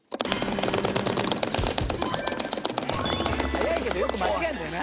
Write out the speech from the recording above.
早いけどよく間違えるんだよな。